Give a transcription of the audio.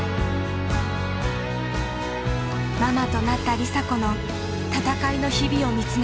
ママとなった梨紗子の戦いの日々を見つめた。